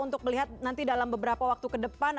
untuk melihat nanti dalam beberapa waktu kedatangan